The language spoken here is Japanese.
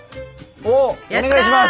おっお願いします！